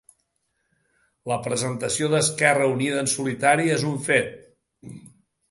La presentació d'Esquerra Unida en solitari és un fet